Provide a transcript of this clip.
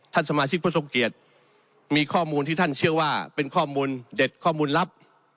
สมาชิกผู้ทรงเกียจมีข้อมูลที่ท่านเชื่อว่าเป็นข้อมูลเด็ดข้อมูลลับ